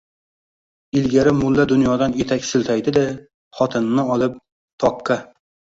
ilgari mulla dunyodan etak siltaydi-da, xotinini olib, toqqa